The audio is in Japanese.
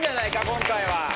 今回は。